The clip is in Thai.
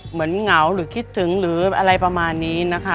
เหงาหรือคิดถึงหรืออะไรประมาณนี้นะคะ